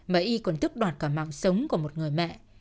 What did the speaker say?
mà y còn tước đoạt cả mạng sống của một người mẹ